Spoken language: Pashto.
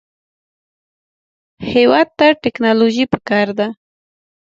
هېواد ته ټیکنالوژي پکار ده